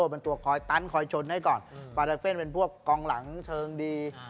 เป็นตัวคอยตันคอยชนให้ก่อนปาราเฟนเป็นพวกกองหลังเชิงดี